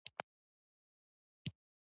دوی هر وخت د شاه خدمت ته حاضر دي.